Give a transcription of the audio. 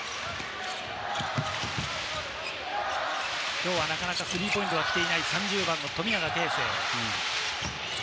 きょうはなかなかスリーポイントは来ていない、３０番の富永啓生。